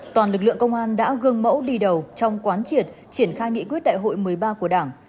toàn lực lượng công an đã gương mẫu đi đầu trong quán triệt triển khai nghị quyết đại hội một mươi ba của đảng